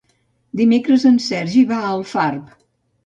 Dimecres en Sergi va a Alfarb.